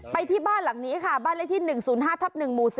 ที่บ้านหลังนี้ค่ะบ้านเลขที่๑๐๕ทับ๑หมู่๒